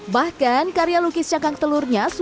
bahkan karya lukis cangkang telurnya sudah dikonsumsi